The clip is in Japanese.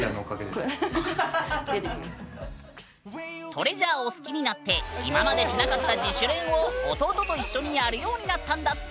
ＴＲＥＡＳＵＲＥを好きになって今までしなかった自主練を弟と一緒にやるようになったんだって！